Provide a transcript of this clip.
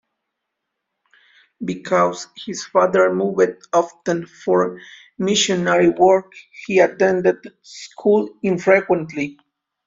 Because his father moved often for missionary work, he attended school infrequently.